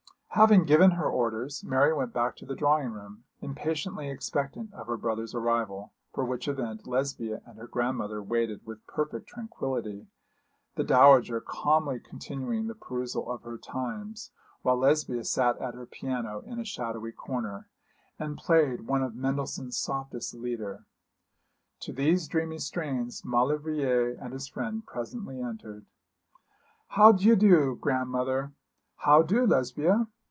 Having given her orders, Mary went back to the drawing room, impatiently expectant of her brother's arrival, for which event Lesbia and her grandmother waited with perfect tranquillity, the dowager calmly continuing the perusal of her Times, while Lesbia sat at her piano in a shadowy corner, and played one of Mendelssohn's softest Lieder. To these dreamy strains Maulevrier and his friend presently entered. 'How d'ye do, grandmother? how do, Lesbia?